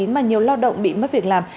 mà nhiều lao động bị mất việc làm